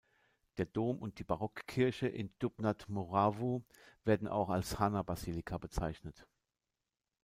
Der Dom und die Barockkirche in Dub nad Moravou werden auch als „Haná-Basilika“ bezeichnet.